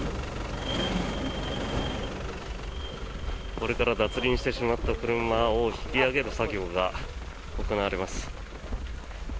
これから脱輪してしまった車を引き上げる作業が行われます。